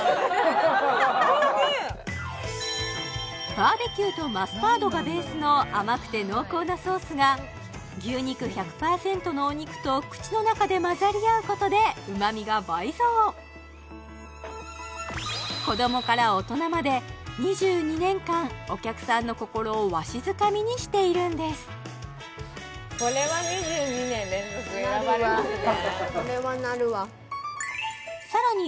バーベキューとマスタードがベースの甘くて濃厚なソースが牛肉１００％のお肉と口の中で混ざり合うことでうまみが倍増子どもから大人までにしているんですなるわこれはなるわさらに止まんないですよね